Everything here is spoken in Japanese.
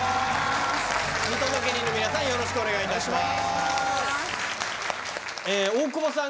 見届け人の皆さんよろしくお願いいたします。